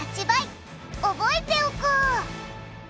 覚えておこう！